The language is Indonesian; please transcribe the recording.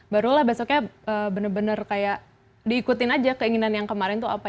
barulah besoknya benar benar kayak diikutin aja keinginan yang kemarin itu apa